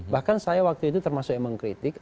bahkan saya waktu itu termasuk emang kritik